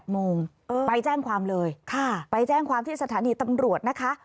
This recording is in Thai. โมงไปแจ้งความเลยไปแจ้งความที่สถานีตำรวจนะคะ